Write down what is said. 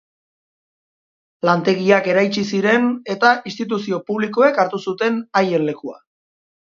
Lantegiak eraitsi ziren eta instituzio publikoek hartu zuten haien lekua.